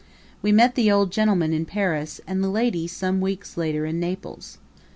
We met the old gentleman in Paris, and the old lady some weeks later in Naples.